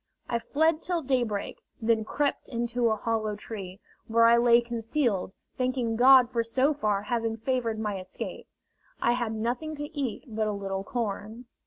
I fled till daybreak, then crept into a hollow tree, where I lay concealed, thanking God for so far having favored my escape. I had nothing to eat but a little corn.